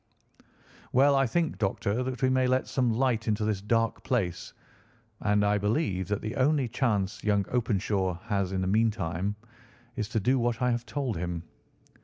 Well, I think, Doctor, that we may let some light into this dark place, and I believe that the only chance young Openshaw has in the meantime is to do what I have told him.